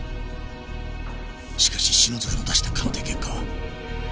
しかし篠塚の出した鑑定結果は。